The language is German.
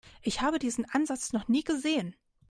Ich habe diesen Ansatz noch nie gesehen.